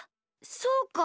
そうか。